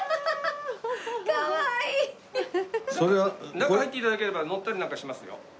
中入って頂ければ乗ったりなんかしますよ。